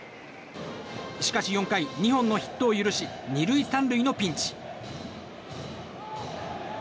しかし４回、２本のヒットを許し２塁３塁のピンチ。